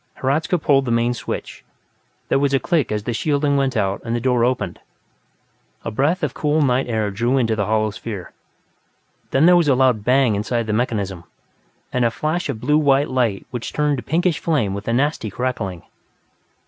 Hradzka pulled the main switch; there was a click as the shielding went out and the door opened. A breath of cool night air drew into the hollow sphere. Then there was a loud bang inside the mechanism, and a flash of blue white light which turned to pinkish flame with a nasty crackling.